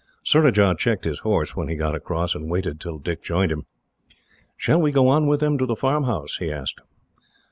Surajah checked his horse, when he got across, and waited till Dick joined him. "Shall we go on with them to the farmhouse?" he asked.